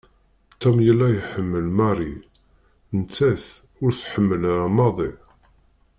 Tom yella iḥemmel Marie, nettat ur t-tḥemmel ara maḍi.